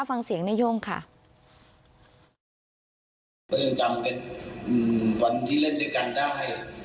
ฟังเสียงนาย่งค่ะก็ยังจำเป็นอืมวันที่เล่นด้วยกันได้